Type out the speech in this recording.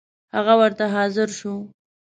هغه ورته حاضر شو.